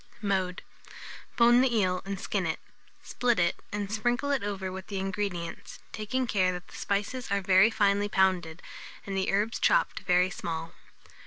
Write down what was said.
Mode. Bone the eel and skin it; split it, and sprinkle it over with the ingredients, taking care that the spices are very finely pounded, and the herbs chopped very small.